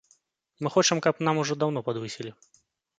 Мы хочам, каб нам ужо даўно падвысілі.